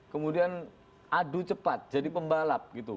kemudian adu cepat jadi pembalap gitu